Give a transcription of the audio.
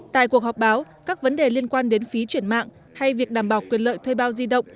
tại cuộc họp báo các vấn đề liên quan đến phí chuyển mạng hay việc đảm bảo quyền lợi thuê bao di động